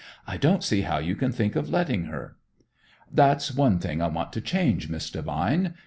I don't see how you can think of letting her." "That's one thing I want to change, Miss Devine.